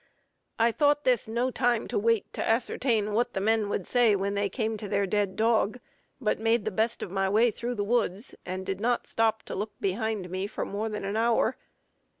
I thought this no time to wait to ascertain what the men would say when they came to their dead dog, but made the best of my way through the woods, and did not stop to look behind me for more than an hour.